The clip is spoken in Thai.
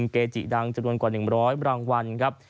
เกจิดังจำนวนกว่า๑๐๐รางวัลครับ